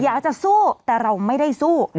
อยากจะสู้แต่เราไม่ได้สู้